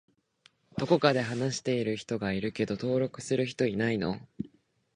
どこかで話している人がいるけど登録する人いないの？